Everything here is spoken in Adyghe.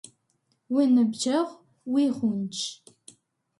Уиныбджэгъу уигъундж.